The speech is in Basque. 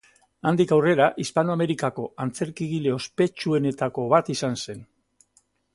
Handik aurrera, Hispanoamerikako antzerkigile ospetsuenetako bat izan zen.